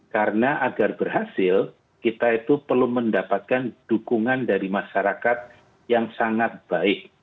karena agar berhasil kita itu perlu mendapatkan dukungan dari masyarakat yang sangat baik